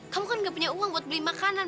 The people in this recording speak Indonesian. kamu kan gak punya uang buat beli makanan